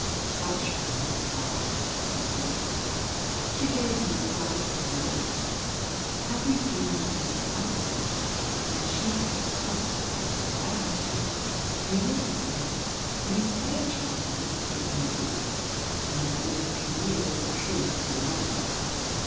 "Such friends are," said he. She gave him a bright little look. "Had you been with Miss Stuyvesant, and she had expressed herself as I have done, you would have said, 'Miss Fairchild is to be envied,' and you would have been nearer the truth than now.